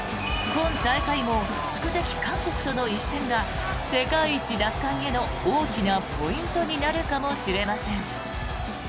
今大会も宿敵・韓国との一戦が世界一奪還への大きなポイントになるかもしれません。